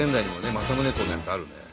政宗公のやつある。